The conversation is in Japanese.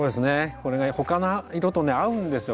これが他の色と合うんですよ